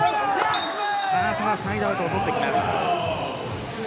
ただサイドアウトを取ってきます。